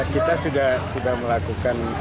kita sudah melakukan